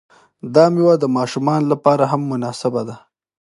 دا میوه د ماشومانو لپاره هم مناسبه ده.